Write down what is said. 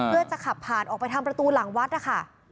เพื่อจะขับผ่านออกไปทางประตูหลังวัดนะคะ